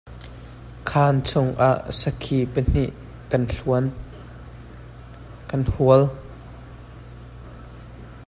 Khan chung ah sakhi pahnih kan hual.